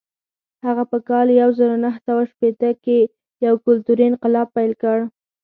هغه په کال یو زر نهه سوه شپېته کې یو کلتوري انقلاب پیل کړ.